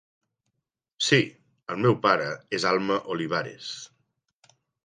Sí, el meu pare és Alma Olivares.